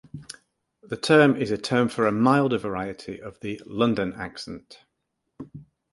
The term is a term for a milder variety of the "London Accent".